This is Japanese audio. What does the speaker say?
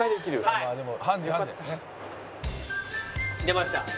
出ました。